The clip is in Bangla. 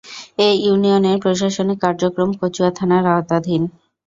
এ ইউনিয়নের প্রশাসনিক কার্যক্রম কচুয়া থানার আওতাধীন।